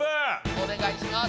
お願いします。